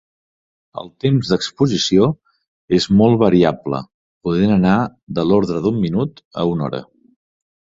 El temps d'exposició és molt variable, podent anar de l'ordre d'un minut a una hora.